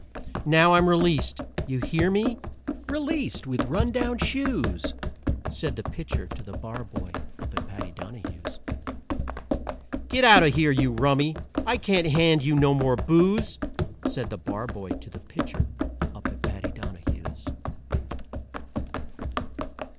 Now I'm released you hear me? Released with run down shoes!" Said the Pitcher to the Barboy up at Paddy Donahue's. _"Get out of here, you rummy! I can't hand you no more booze!" Said the Barboy to the Pitcher up at Paddy Donahue's.